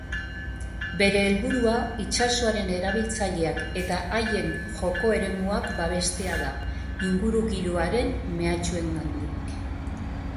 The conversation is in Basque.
Bere helburua itsasoaren erabiltzaileak eta haien joko eremuak babestea da, ingurugiroaren mehatxuengandik.